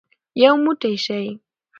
یو موټی شئ.